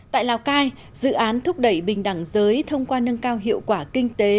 tại lào cai dự án thúc đẩy bình đẳng giới thông qua nâng cao hiệu quả kinh tế